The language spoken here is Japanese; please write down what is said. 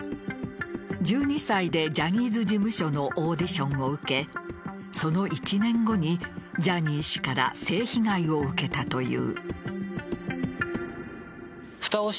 １２歳でジャニーズ事務所のオーディションを受けその１年後にジャニー氏から性被害を受けたという。